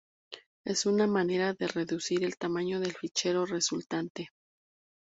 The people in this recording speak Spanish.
Es una manera de reducir el tamaño del fichero resultante.